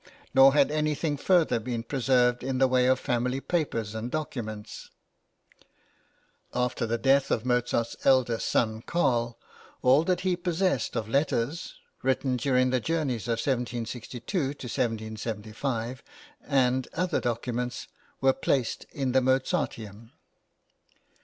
Nor had anything further been preserved in the way of family papers and documents. (After the death of Mozart's eldest son Carl, all that he possessed of letters written during the journeys of 1762 to 1775 and other documents, were placed in the Mozarteum.)